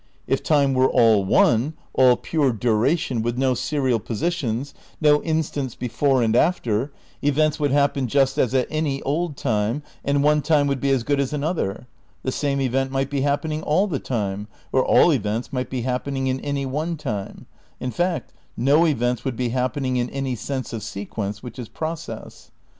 If time were all one, all pure duration, with no serial positions, no instants be fore and after, events would happen just at any old time, and one time would be as good as another; the same event might be happening all the time, or all events might be happening in any one time ; in fact no events would be happening in any sense of sequence which is process.